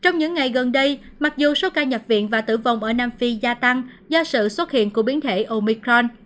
trong những ngày gần đây mặc dù số ca nhập viện và tử vong ở nam phi gia tăng do sự xuất hiện của biến thể omicron